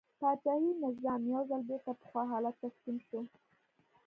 پاچاهي نظام یو ځل بېرته پخوا حالت ته ستون شو.